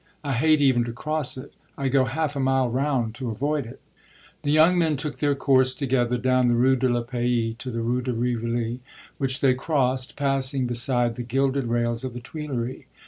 I hate even to cross it I go half a mile round to avoid it." The young men took their course together down the Rue de la Paix to the Rue de Rivoli, which they crossed, passing beside the gilded rails of the Tuileries.